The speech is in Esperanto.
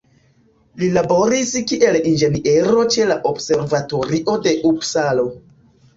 Li laboris kiel inĝeniero ĉe la Observatorio de Upsalo.